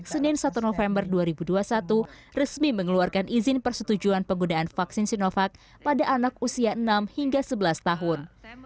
senin satu november dua ribu dua puluh satu resmi mengeluarkan izin persetujuan penggunaan vaksin sinovac pada anak usia enam hingga sebelas tahun